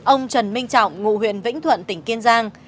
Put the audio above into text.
ông trần minh trọng ngụ huyện vĩnh thuận tỉnh kiên giang